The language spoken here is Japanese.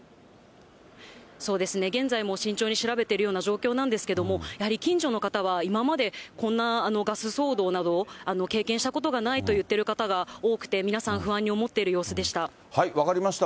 そうですね、現在も慎重に調べているような状況なんですけども、やはり近所の方は、今までこんなガス騒動など、経験したことがないと言っている方が多くて、分かりました。